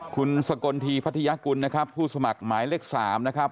คุณสกลทีพัทยากุลนะครับผู้สมัครหมายเลข๓นะครับ